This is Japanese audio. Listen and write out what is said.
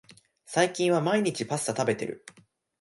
最近は毎日パスタ食べてる